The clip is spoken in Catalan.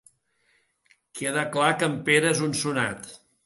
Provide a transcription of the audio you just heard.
Queda clar que el Pere és un sonat.